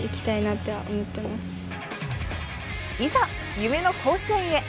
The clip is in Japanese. いざ、夢の甲子園へ。